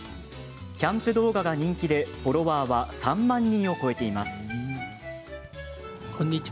キャンプ動画が人気でフォロワーは３万人を超えています。